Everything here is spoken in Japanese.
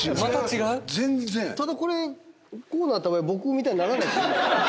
ただこれこうなった場合僕みたいにならないですか？